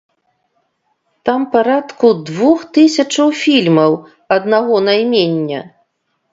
Там парадку двух тысячаў фільмаў аднаго наймення.